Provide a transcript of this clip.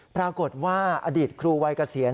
ปรากฏว่าอดีตครูวัยเกษียณ